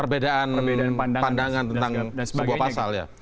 perbedaan pandangan tentang sebuah pasal ya